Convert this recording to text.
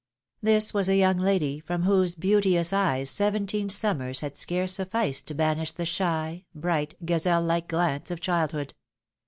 This was a young lady from whose beauteous eyes seventeen summers had scarce sufficed to banish the shy, bright, gazelle like glance of childhood.